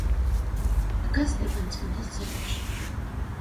დგას სტეფანწმინდის ცენტრში.